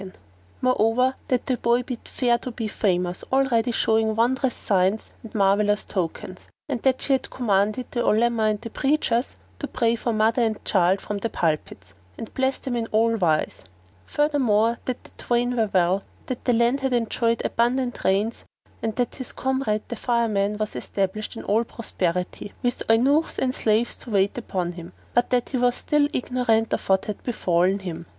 [FN#454] Moreover, that the boy bid fair to be famous, already showing wondrous signs and marvellous tokens; and that she had commanded the Olema and the preachers to pray for mother and child from the pulpits and bless them in all wise; furthermore that the twain were well, that the land had enjoyed abundant rains, and that his comrade the Fireman was established in all prosperity, with eunuchs and slaves to wait upon him; but that he was still ignorant of what had befallen him.